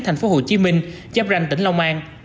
thành phố hồ chí minh giáp ranh tỉnh long an